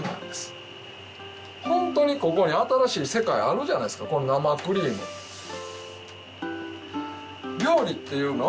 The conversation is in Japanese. ホントにここに新しい世界あるじゃないですかこの生クリームねぇ？